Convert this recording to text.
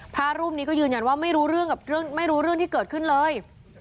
พระรูปนี้ก็ยืนยันว่าไม่รู้เรื่องที่เกิดขึ้นเลย